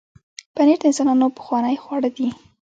پنېر د انسانانو پخوانی خواړه دی.